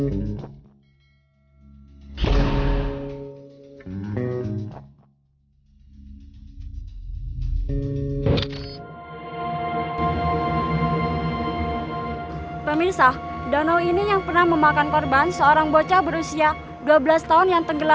biarlah topi ini selalu menjadi peninggal persahabatan kita